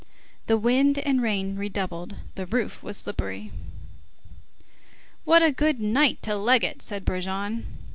The wind and rain redoubled, the roof was slippery. "What a good night to leg it!" said Brujon.